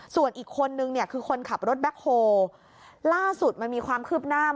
ส่วนอีกคนนึงเนี่ยคือคนขับรถแบ็คโฮล่าสุดมันมีความคืบหน้า